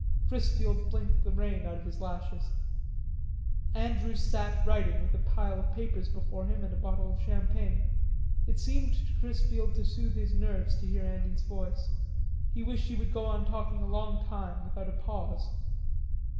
Chrisfield blinked the rain out of his lashes. Andrews sat writing with a pile of papers before him and a bottle of champagne. It seemed to Chrisfield to soothe his nerves to hear Andy's voice. He wished he would go on talking a long time without a pause.